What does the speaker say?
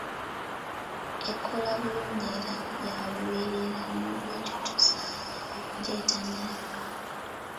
Ekola bulungi era ya lubeerera n'olw'ekyo tusaanye okugyettanira.